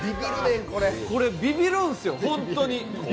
これ、ビビるんですよ、ホントに。